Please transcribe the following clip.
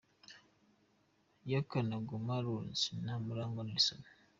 Yakan Guma Laurence na Murangwa Nelson.